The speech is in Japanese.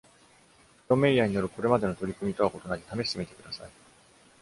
ジョンメイヤーによるこれまでの取り組みとは異なり、試してみてください。